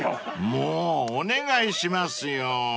［もうお願いしますよ］